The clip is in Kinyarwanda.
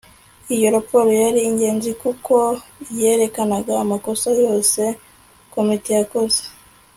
Iyo raporo yari ingenzi kuko yerekanaga amakosa yose komite yakoze